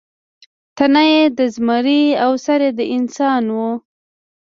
تنه یې د زمري او سر یې د انسان و.